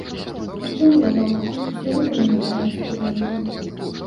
Яшчэ невядома, колькі сёлета мы набярэм студэнтаў.